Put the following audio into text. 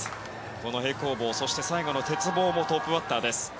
この平行棒、最後の鉄棒もトップバッターです。